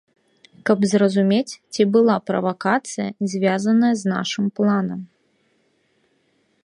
Каб зразумець, ці была правакацыя звязаная з нашым планам.